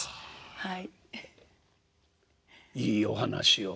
はい。